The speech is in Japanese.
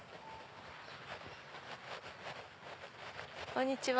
こんにちは。